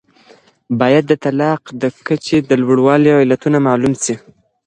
باید د طلاق د کچې د لوړوالي علتونه معلوم سي.